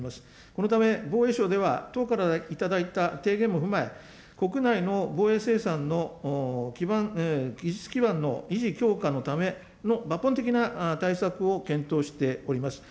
このため、防衛省では党から頂いた提言も踏まえ、国内の防衛生産の技術基盤の維持、強化のための抜本的な対策を検討しております。